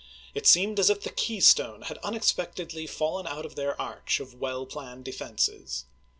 It seemed as if the keystone had unexpectedly fallen out of their arch of well planned defenses.